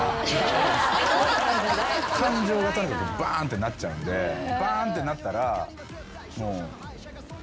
感情がとにかくバーンってなっちゃうんでバーンってなったら。